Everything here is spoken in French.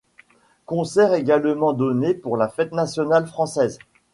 Concert également donné pour la fête nationale française.